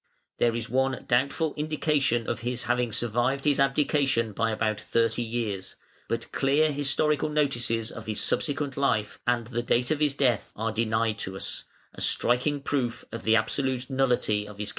There is one doubtful indication of his having survived his abdication by about thirty years, but clear historical notices of his subsequent life and of the date of his death are denied us; a striking proof of the absolute nullity of his character.